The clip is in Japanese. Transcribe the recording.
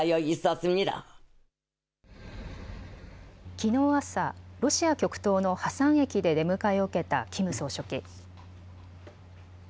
きのう朝、ロシア極東のハサン駅で出迎えを受けたキム総書記。